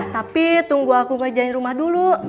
tapi tunggu aku ngerjain rumah dulu